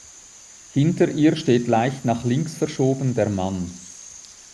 Hinter ihr steht leicht nach links verschoben der Mann.